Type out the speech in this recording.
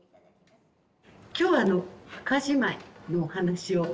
今日はあの墓じまいのお話を。